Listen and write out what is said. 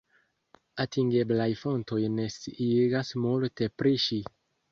Atingeblaj fontoj ne sciigas multe pri ŝi.